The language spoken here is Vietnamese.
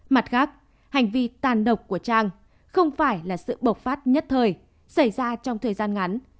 mặt khác hành vi tàn độc của trang không phải là sự bộc phát nhất thời xảy ra trong thời gian ngắn